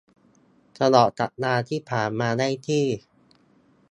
ตลอดสัปดาห์ที่ผ่านมาได้ที่